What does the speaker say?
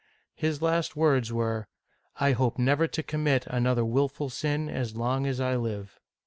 His last words were, " I hope never to commit another willful sin as long as I live."